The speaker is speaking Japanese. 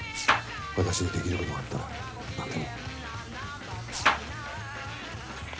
私にできることがあったら何でも。